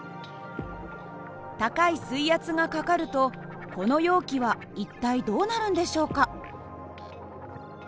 高い水圧がかかるとこの容器は一体どうなるんでしょうか。